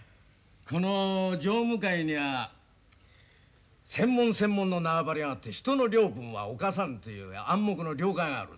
この常務会には専門専門の縄張りがあって人の領分は侵さんという暗黙の了解がある。